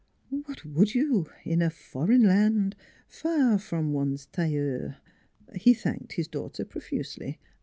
What would you, in a foreign land, far from one's tailleur? He thanked his daughter profusely.